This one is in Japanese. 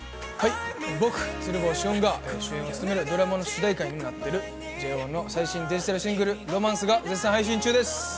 ◆僕、鶴房汐恩が主演を務めるドラマの主題歌にもなっているＪＯ１の最新デジタルシングル「Ｒｏｍａｎｃｅ」が絶賛配信中です